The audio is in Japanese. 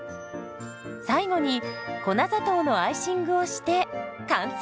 最後に粉砂糖のアイシングをして完成。